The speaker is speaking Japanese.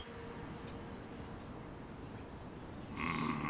うん。